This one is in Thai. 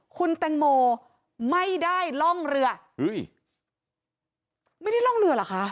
คุณแตงโมไม่ได้ล่องเรือเฮ้ยไม่ได้ล่องเรือเหรอคะ